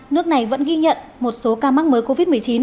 nước này vẫn ghi nhận một số ca mắc mới covid một mươi chín